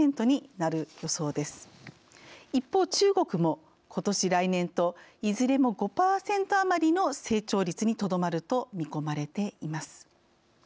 一方中国もことし来年といずれも５％余りの成長率にとどまると見込まれています。